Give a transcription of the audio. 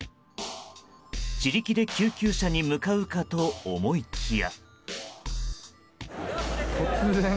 自力で救急車に向かうかと思いきや。